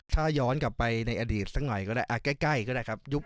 ถ้าย้อนกลับไปในอดีตสักหน่อยก็ได้ใกล้ก็ได้ครับ